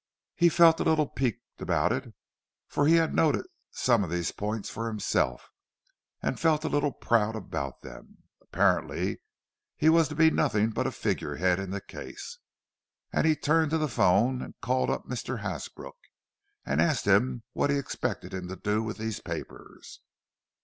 He felt a little piqued about it—for he had noted some of these points for himself, and felt a little proud about them. Apparently he was to be nothing but a figure head in the case! And he turned to the phone and called up Mr. Hasbrook, and asked him what he expected him to do with these papers.